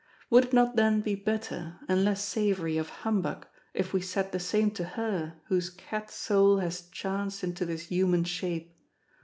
Would it not then be better, and less savoury of humbug if we said the same to her whose cat soul has chanced into this human shape?